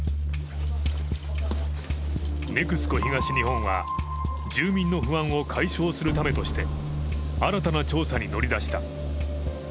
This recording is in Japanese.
ＮＥＸＣＯ東日本は、住民の不安を解消するためとして新たな調査に乗り出した。